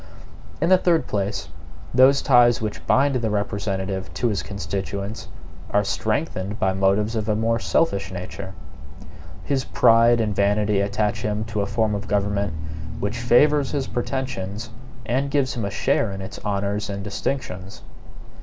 In the third place, those ties which bind the representative to his constituents are strengthened by motives of a more selfish nature. His pride and vanity attach him to a form of government which favors his pretensions and gives him a share in its honors and distinctions.